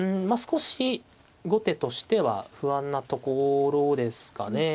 まあ少し後手としては不安なところですかね。